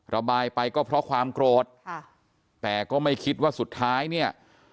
ระบายไปก็เพราะความโกรธค่ะแต่ก็ไม่คิดว่าสุดท้ายเนี่ย